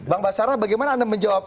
bang basara bagaimana anda menjawab